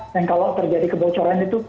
dan kalau terjadi kebocoran itu